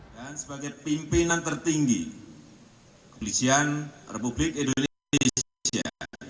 dan sebagai pimpinan tertinggi kepolisian republik indonesia